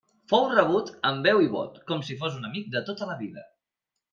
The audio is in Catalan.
Fou rebut amb veu i vot com si fos un amic de tota la vida.